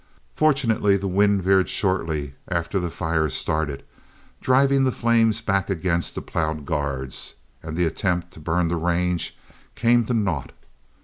Fortunately the wind veered shortly after the fires started, driving the flames back against the plowed guards, and the attempt to burn the range came to naught.